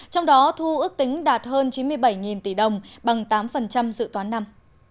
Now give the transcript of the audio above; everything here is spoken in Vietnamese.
trong đó thu ước tính đạt hơn chín mươi bảy tỷ đồng bằng tám dự toán năm